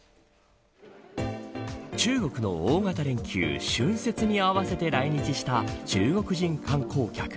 中国の大型連休春節に合わせて来日した中国人観光客。